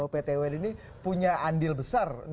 pt un ini punya andil besar